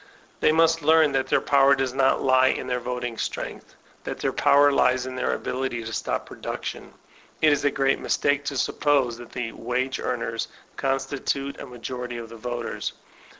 They must learn that their power does not lie in their voting strength, that their power lies in their ability to stop production. It is a great mistake to suppose that the wage earners constitute a majority of the voters.